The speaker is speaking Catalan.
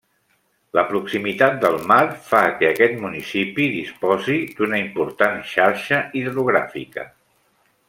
La proximitat del mar fa que aquest municipi disposi d'una important xarxa hidrogràfica.